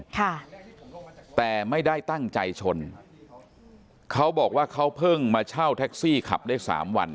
ค่ะแต่ไม่ได้ตั้งใจชนเขาบอกว่าเขาเพิ่งมาเช่าแท็กซี่ขับได้สามวัน